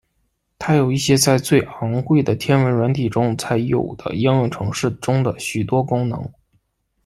它有一些在最昂贵的天文软体中才有的应用程式中的许多功能。